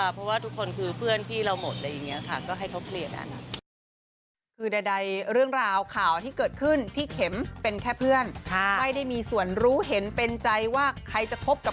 เพราะว่าทุกคนคือเพื่อนพี่เราหมดอะไรอย่างนี้ค่ะ